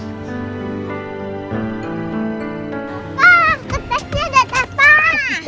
wah kertasnya udah dapet